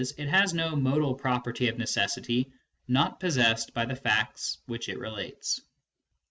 it has no modal property of necessity not possessed by the facts which it relates.